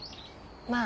まあ。